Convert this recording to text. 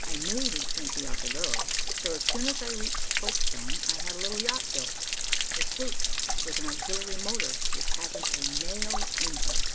I knew he'd think he ought to go; so as soon as I reached Folkestone I had a little yacht built, a sloop with an auxiliary motor, which hasn't a nail in her.